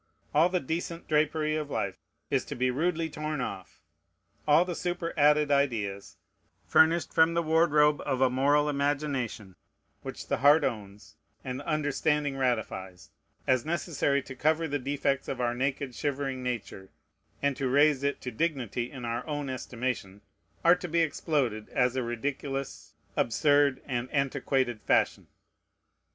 All the decent drapery of life is to be rudely torn off. All the superadded ideas, furnished from the wardrobe of a moral imagination, which the heart owns and the understanding ratifies, as necessary to cover the defects of our naked, shivering nature, and to raise it to dignity in our own estimation, are to be exploded, as a ridiculous, absurd, and antiquated fashion.